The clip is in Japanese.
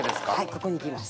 ここにいきます。